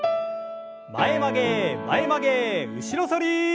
前曲げ前曲げ後ろ反り。